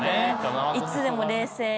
いつでも冷静に。